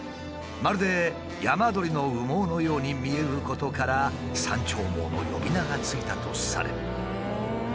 まるで山鳥の羽毛のように見えることから「山鳥毛」の呼び名が付いたとされる。